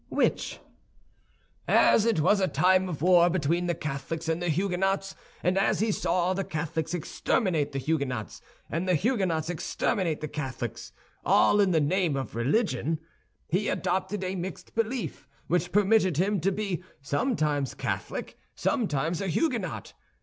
"Which?" "As it was a time of war between the Catholics and the Huguenots, and as he saw the Catholics exterminate the Huguenots and the Huguenots exterminate the Catholics—all in the name of religion—he adopted a mixed belief which permitted him to be sometimes Catholic, sometimes a Huguenot.